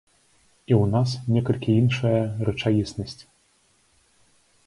І ў нас некалькі іншая рэчаіснасць.